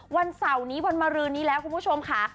วันเสาร์นี้วันมารือนี้แล้วคุณผู้ชมค่ะ